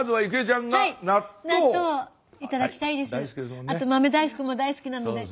あと豆大福も大好きなので。